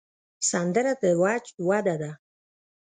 سندره د وجد وده ده